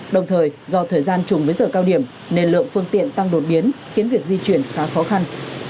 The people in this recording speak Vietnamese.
đồng thời do thời gian chùng với giờ cao điểm nên lượng phương tiện tăng đột biến khiến việc di chuyển khá khó khăn